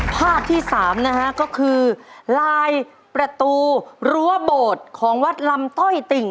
ภาพที่สามนะฮะก็คือลายประตูรั้วโบสถ์ของวัดลำต้อยติ่ง